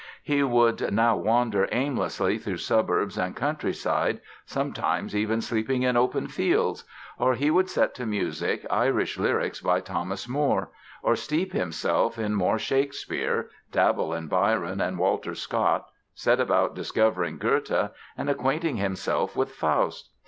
He would now wander aimlessly through suburbs and countryside, sometimes even sleeping in open fields; or he would set to music Irish lyrics by Thomas Moore; or steep himself in more Shakespeare, dabble in Byron and Walter Scott, set about discovering Goethe and acquainting himself with "Faust!"